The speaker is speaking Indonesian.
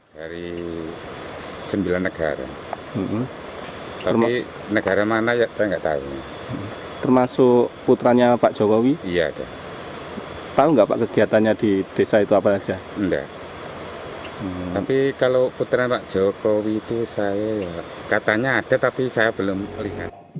kalau putra joko widodo saya katanya ada tapi saya belum perhatikan